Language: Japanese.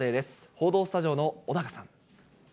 報道スタジオの小高さん。